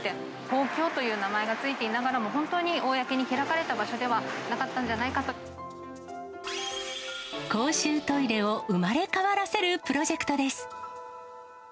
公共という名前が付いていながらも、本当に公に開かれた場所では公衆トイレを生まれ変わらせるプロジェクトです。